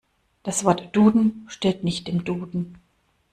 Das Wort Duden steht nicht im Duden.